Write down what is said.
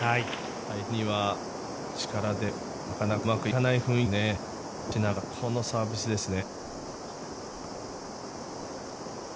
相手には力でなかなかうまくいかない雰囲気を出しながら、このサービスですね。